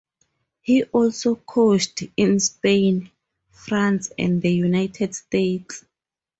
He also coached in Spain, France, and the United States.